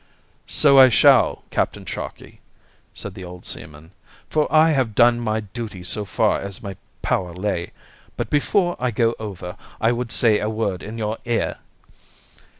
"So I shall, Captain Sharkey," said the old seaman, "for I have done my duty so far as my power lay. But before I go over I would say a word in your ear."